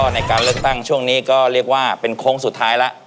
ในการเลือกตั้งช่วงนี้ก็เรียกว่าเป็นโค้งสุดท้ายแล้ว